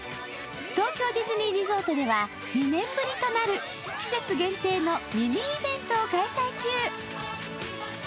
東京ディズニーリゾートでは２年ぶりとなる季節限定のミニーイベントを開催中。